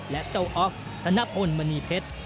และเจ้าอ๊อฟธนพลมณีเพชร